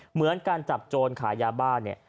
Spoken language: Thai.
เหมือนการจับโจรขายยาบ้าเนี่ย